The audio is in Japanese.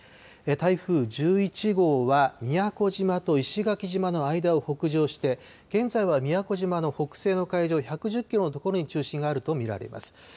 台風１１号は宮古島と石垣島の間を北上して、現在は宮古島の北西の海上１１０キロの所に中心があると見られます。